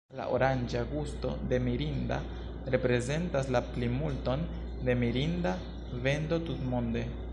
La oranĝa gusto de "Mirinda" reprezentas la plimulton de Mirinda vendo tutmonde.